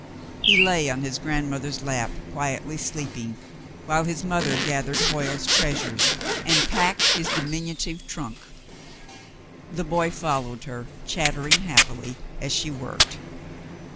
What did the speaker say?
He lay on his grandmother's lap quietly sleeping, while his mother gathered Hoyle's treasures, and packed his diminutive trunk. The boy foUow^ed her, chattering happily as she worked.